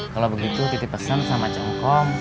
kalau begitu titip pesan sama cengkom